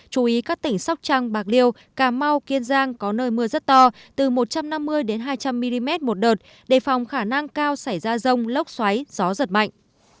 chú ý các tỉnh sóc trăng bạc liêu cà mau kiên giang có nơi mưa rất to từ một trăm năm mươi hai trăm linh mm một đợt đề phòng khả năng cao xảy ra rông lốc xoáy gió giật mạnh